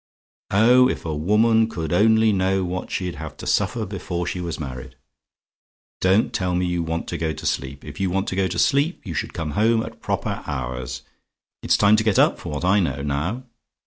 "Oh, if a woman could only know what she'd have to suffer before she was married Don't tell me you want to go to sleep! If you want to go to sleep, you should come home at proper hours! It's time to get up, for what I know, now.